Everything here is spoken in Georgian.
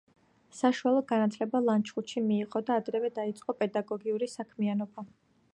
საშუალო განათლება ლანჩხუთში მიიღო და ადრევე დაიწყო პედაგოგიური საქმიანობა.